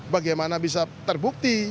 bagaimana bisa terbukti